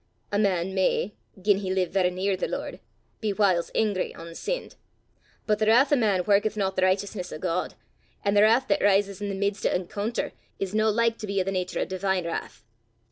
A man may, gien he live varra near the Lord, be whiles angry ohn sinned: but the wrath o' man warketh not the richteousness o' God; an' the wrath that rises i' the mids o' encoonter, is no like to be o' the natur o' divine wrath.